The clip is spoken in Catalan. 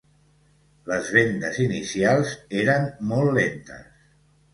Les vendes inicials eren molt lentes.